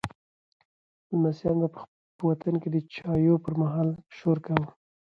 لمسیانو به په وطن کې د چایو پر مهال شور کاوه.